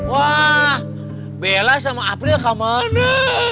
wah bella sama april kak marana